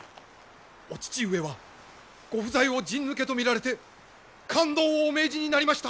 お父上はご不在を陣抜けと見られて勘当をお命じになりました！